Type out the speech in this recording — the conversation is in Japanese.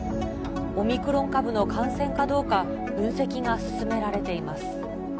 オミクロン株の感染かどうか、分析が進められています。